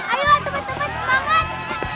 ayo teman teman semangat